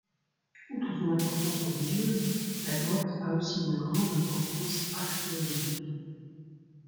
Outre son importance religieuse, la grotte a aussi une grande importance archéologique.